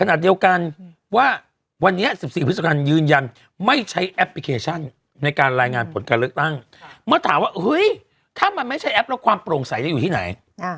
นี่ถ้ามันไม่ใช่แอปแล้วความโปร่งใสจะอยู่ที่ไหน